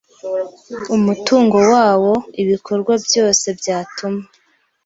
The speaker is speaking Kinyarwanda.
umutungo wawo ibikorwa byose byatuma